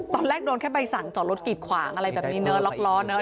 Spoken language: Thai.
ตอนแรกโดนแค่ใบสั่งจอดรถกิดขวางอะไรแบบนี้เนอะล็อกล้อเนอะ